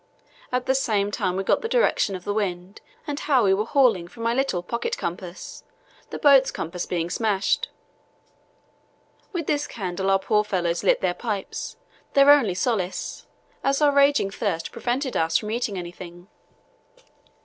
At the same time we got the direction of the wind and how we were hauling from my little pocket compass, the boat's compass being smashed. With this candle our poor fellows lit their pipes, their only solace, as our raging thirst prevented us from eating anything.